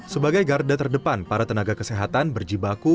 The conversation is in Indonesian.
sebagai garda terdepan para tenaga kesehatan berjibaku